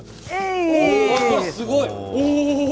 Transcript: すごい。